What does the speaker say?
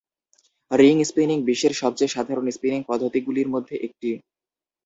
Ring spinning বিশ্বের সবচেয়ে সাধারণ স্পিনিং পদ্ধতিগুলির মধ্যে একটি।